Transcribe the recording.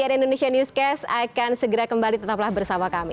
dan sian indonesia newscast akan segera kembali tetaplah bersama kami